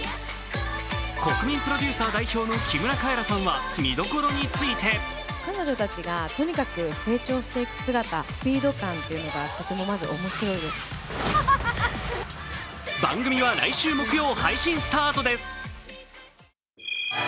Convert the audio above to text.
国民プロデューサー代表の木村カエラさんは見どころについて番組は来週木曜、配信スタートです。